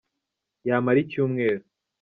Yamara icyumweru